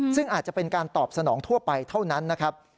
ซึ่งอาจจะเป็นการตอบสนองทั่วไปเท่านั้นนะครับ